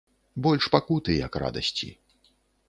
Больш пакуты, як радасці.